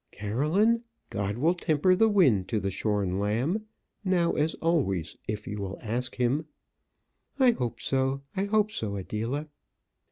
"Caroline, God will temper the wind to the shorn lamb, now as always if you will ask him." "I hope so; I hope so, Adela."